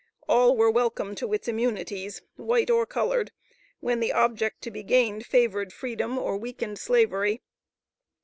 All were welcome to its immunities, white or colored, when the object to be gained favored freedom, or weakened Slavery.